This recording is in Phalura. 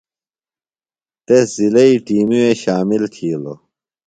تس ضلعئی ٹِیمی وے شامل تِھیلوۡ۔